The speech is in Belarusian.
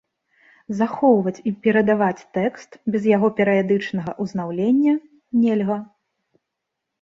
Захоўваць і перадаваць тэкст без яго перыядычнага ўзнаўлення нельга.